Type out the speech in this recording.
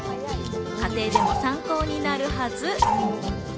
家庭でも参考になるはず。